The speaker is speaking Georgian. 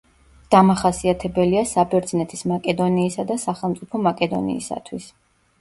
დამახასიათებელია საბერძნეთის მაკედონიისა და სახელმწიფო მაკედონიისათვის.